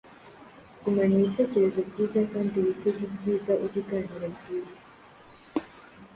Gumana ibitekerezo byiza kandi witege ibyiza. Ujye uganira byiza.